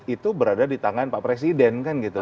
itu berada di tangan pak presiden kan gitu